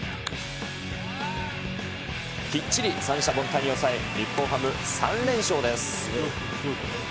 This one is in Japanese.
きっちり三者凡退に抑え、日本ハム、３連勝です。